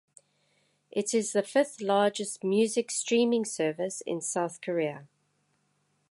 It is the fifth largest music streaming service in South Korea.